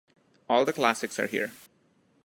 All the classics are here.